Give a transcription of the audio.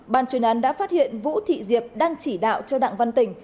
ban chuyên án đã phát hiện vũ thị diệp đang chỉ đạo cho đặng văn tình